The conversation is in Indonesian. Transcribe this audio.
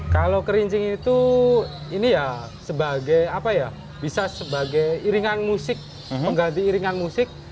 kalau kerinci itu ini ya sebagai apa ya bisa sebagai iringan musik pengganti iringan musik